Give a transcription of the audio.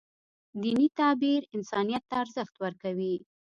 دیني تعبیر انسانیت ته ارزښت ورکوي.